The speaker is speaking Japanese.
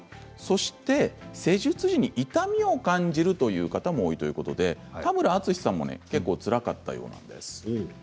施術中に痛みを感じるという方も多いということで田村さんもちょっとつらかったようです。